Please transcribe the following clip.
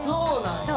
そう。